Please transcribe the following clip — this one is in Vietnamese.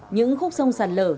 những khúc sông sàn lở